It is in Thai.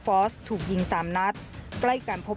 มันกลับมาแล้ว